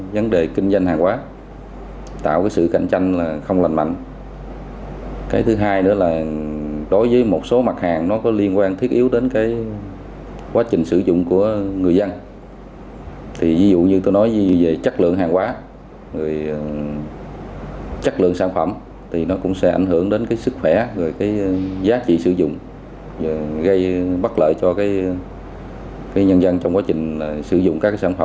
gây bất lợi cho nhân dân trong quá trình sử dụng các sản phẩm giả hoặc là kém chất lượng